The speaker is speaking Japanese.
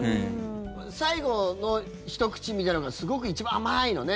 最後のひと口みたいなのがすごく一番甘いのね。